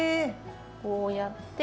こうやって。